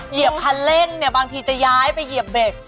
เหยียบคันเร่งเนี่ยบางทีจะย้ายไปเหยียบเบรก